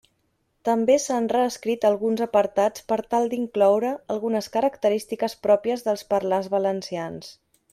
També s'han reescrit alguns apartats per tal d'incloure algunes característiques pròpies dels parlars valencians.